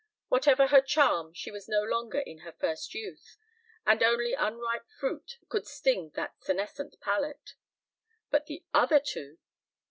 ... Whatever her charm, she was no longer in her first youth, and only unripe fruit could sting that senescent palate. But the other two!